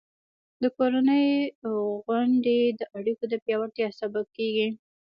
د کورنۍ غونډې د اړیکو د پیاوړتیا سبب کېږي.